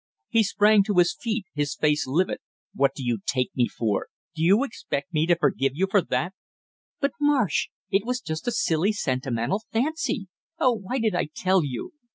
He sprang to his feet, his face livid. "What do you take me for? Do you expect me to forgive you for that " "But Marsh, it was just a silly sentimental fancy! Oh, why did I tell you!"